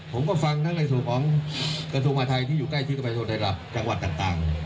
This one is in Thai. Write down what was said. ผมก็ฟังทั้งในส่วนของกฎศูนย์มาไทยที่อยู่ใกล้ชิดไปโสดไทยรับจังหวัดต่าง